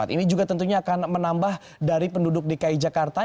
ini juga tentunya akan menambah dari penduduk dki jakarta